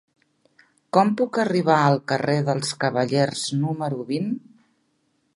Com puc arribar al carrer dels Cavallers número vint?